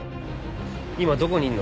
今どこにいるの？